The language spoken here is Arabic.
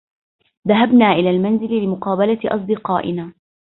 ذهبنا إلى المنزل لمقابلة أصدقائنا.